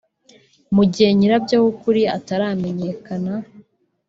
mu gihe nyirabwo w’ukuri ataramenyekana